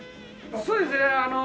そうですねあの。